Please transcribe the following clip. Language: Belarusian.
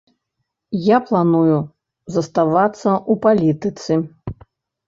Я планую заставацца ў палітыцы.